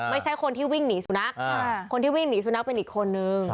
ไม่ใช่คนที่วิ่งหนีสุนัขคนที่วิ่งหนีสุนัขเป็นอีกคนนึง